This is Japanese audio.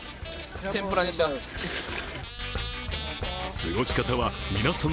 過ごし方は皆さん